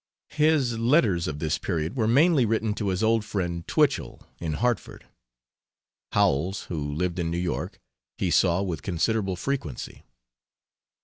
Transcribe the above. His letters of this period were mainly written to his old friend Twichell, in Hartford. Howells, who lived in New York, he saw with considerable frequency.